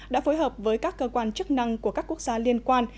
đã phối hợp với các cơ quan chức năng của các quốc gia liên quan